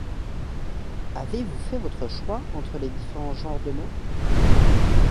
Avez-vous fait votre choix entre les différents genres de mort ?…